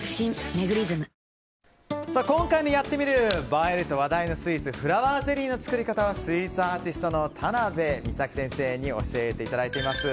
映えると話題のスイーツフラワーゼリーの作り方をスイーツアーティストの田邉美佐紀先生に教えていただいています。